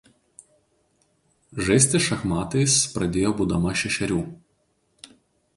Žaisti šachmatais pradėjo būdama šešerių.